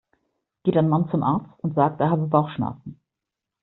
Geht ein Mann zum Arzt und sagt, er habe Bauchschmerzen.